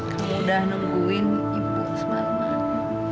kamu udah nungguin ibu smart